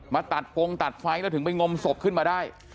มาตัดโปรงตัดไฟถึงไปงมศพขึ้นมาได้